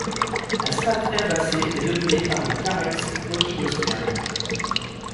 La state herbacée est dominée par le carex oligosperme.